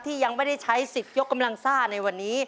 ยังไม่ได้ใช้สิทธิ์ยกกำลังซ่าในวันนี้